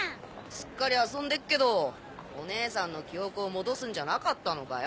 すっかり遊んでっけどおねえさんの記憶を戻すんじゃなかったのかよ。